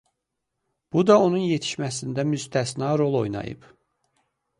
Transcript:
Bu da onun yetişməsində müstəsna rol oynayıb.